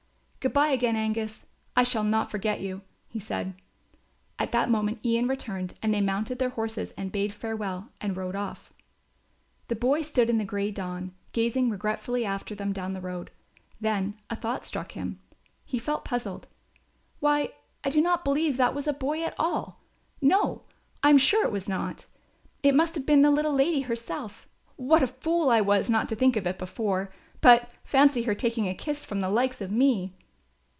"Good bye again, Angus, I shall not forget you," he said. At that moment Ian returned and they mounted their horses and bade farewell and rode off. The boy stood in the grey dawn, gazing regretfully after them down the road. Then a thought struck him. He felt puzzled. "Why, I do not believe that was a boy at all, No, I am sure it was not. It must have been the little lady herself. What a fool I was not to think of it before. But fancy her taking a kiss from the likes of me!"